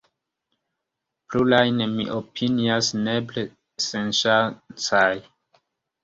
Plurajn mi opinias nepre senŝancaj.